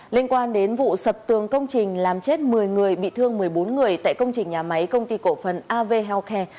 liên quan đến vụ sập tường công trình làm chết một mươi người bị thương một mươi bốn người tại công trình nhà máy công ty cổ phần av healthcare